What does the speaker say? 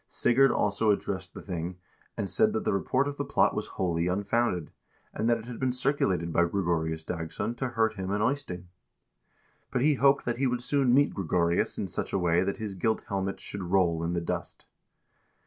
Sigurd also addressed the thing, and said that the report of the plot was wholly unfounded, that it had been circulated by Gregorius Dagss0n to hurt him and Eystein, but he hoped that he would soon meet Gregorius in such a way that his gilt helmet should roll in the dust.